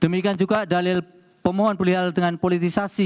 demikian juga dalil pemohon beliau dengan politisasi